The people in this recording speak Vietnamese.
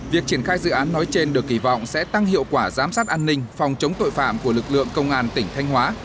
việc triển khai dự án nói trên được kỳ vọng sẽ tăng hiệu quả giám sát an ninh phòng chống tội phạm của lực lượng công an tỉnh thanh hóa